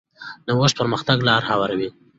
نوښت پرمختګ ته لار هواروي.